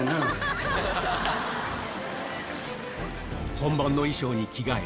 本番の衣装に着替え